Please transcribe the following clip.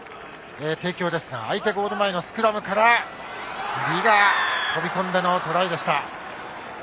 帝京ですが相手ゴール前のスクラムから李が飛び込んでのトライでした。